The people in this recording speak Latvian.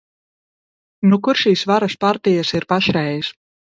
Nu, kur šīs varas partijas ir pašreiz?